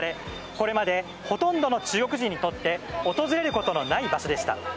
これまでほとんどの中国人にとって訪れることのない場所でした。